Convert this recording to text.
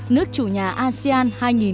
nước chủ nhà asean hai nghìn hai mươi